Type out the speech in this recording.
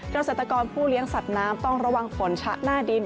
เกษตรกรผู้เลี้ยงสัตว์น้ำต้องระวังฝนชะหน้าดิน